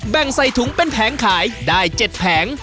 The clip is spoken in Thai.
ใส่ถุงเป็นแผงขายได้๗แผง